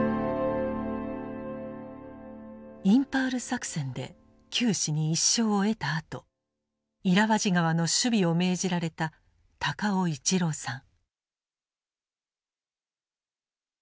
インパール作戦で九死に一生を得たあとイラワジ河の守備を命じられた高雄市郎さん。